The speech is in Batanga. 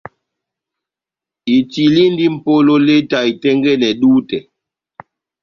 Itilindi mʼpolo leta itɛ́ngɛ́nɛ dutɛ.